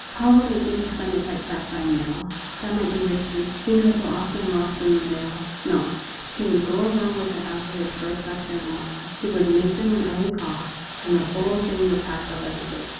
How would it do to send it right back by mail ? That might be risky ; things were so often lost in the mail. No ; he would go around with it after his first lecture in the morning. He would make them an early call, and the whole thing would pass off as a good joke.